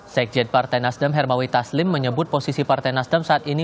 sekjen partai nasdem hermawi taslim menyebut posisi partai nasdem saat ini